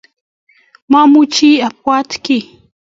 Mamuchi abwat kiy